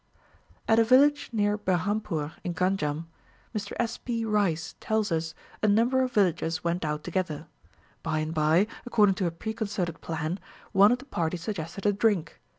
At a village near Berhampur in Ganjam, Mr S. P. Rice tells us, a number of villagers went out together. By and bye, according to a preconcerted plan, one of the party suggested a drink.